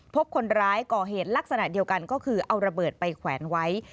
พบคนร้ายก่อเหตุลักษณะเดียวกันก็คือเอาระเบิดไปแขวนไว้